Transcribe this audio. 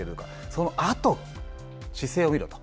そのあと、姿勢を見ろと。